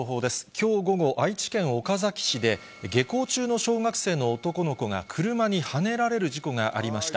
きょう午後、愛知県岡崎市で、下校中の小学生の男の子が車にはねられる事故がありました。